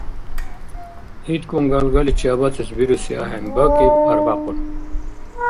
ИткӀун галгаличи абацӀес бируси ахӀен бакӀиб-арбякьун!